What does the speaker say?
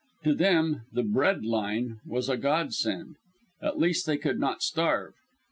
To them the "bread line" was a godsend. At least they could not starve.